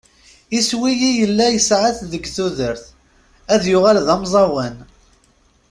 Iswi i yella yesεa-t deg tudert : ad yuɣal d ameẓẓawan.